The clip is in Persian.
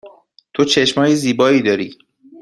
تو چشم های زیبایی داری.